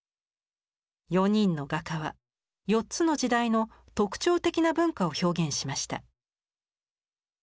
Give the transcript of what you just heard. ４人の画家は４つの時代の特徴的な文化を表現しました。